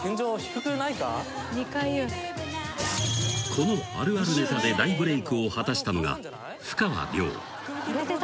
［このあるあるネタで大ブレークを果たしたのが］